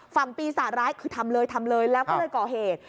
ฝั่งปีศาจร้ายคือทำเลยทำเลยแล้วก็เลยก่อเหตุ